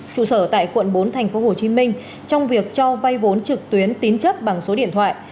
trụ sở tại quận bốn tp hcm trong việc cho vay vốn trực tuyến tín chấp bằng số điện thoại